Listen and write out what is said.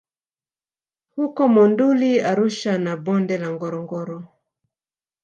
huko Monduli Arusha na Bonde la Ngorongoro